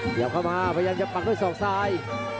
หยับเข้ามาพยายามจะปักด้วยฝ่าซ้าย